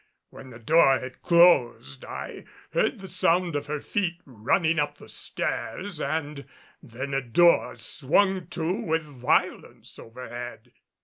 When the door had closed, I heard the sound of her feet running up the stairs and then a door swung to with violence overhead.